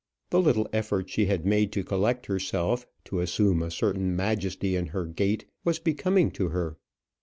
The little effort she had made to collect herself, to assume a certain majesty in her gait, was becoming to her.